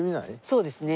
そうですね。